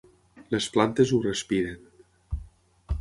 Les plantes ho respiren...